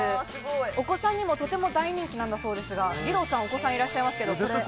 お子さんにも、とても大人気なんだそうですが、義堂さん、お子さんいらっしゃいますが。